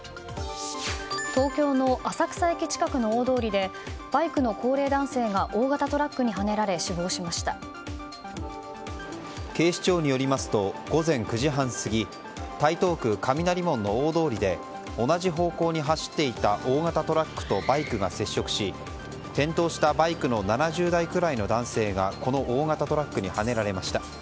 東京の浅草駅近くの大通りでバイクの高齢男性が大型トラックにはねられ警視庁によりますと午前９時半過ぎ台東区雷門の大通りで同じ方向に走っていた大型トラックとバイクが接触し転倒したバイクの７０代くらいの男性がこの大型トラックにはねられました。